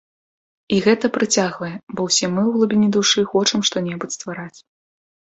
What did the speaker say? І гэта прыцягвае, бо ўсе мы ў глыбіні душы хочам што-небудзь ствараць.